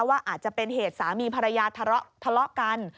ว่าอาจจะเป็นเหตุสามีภรรยาทะเลาะกัน